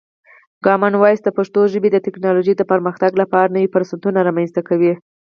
کامن وایس د پښتو ژبې د ټکنالوژۍ د پرمختګ لپاره نوی فرصتونه رامنځته کوي.